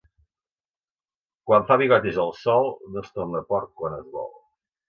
Quan fa bigotis el sol, no es torna a port quan es vol.